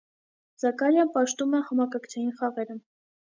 Զակարիան պաշտում է համարկարգչային խաղերը։